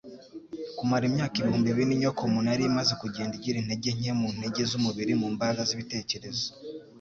Kumara imyaka ibihumbi bine inyokomuntu yari imaze kugenda igira intege nke mu ntege z'umubiri, mu mbaraga z'ibitekerezo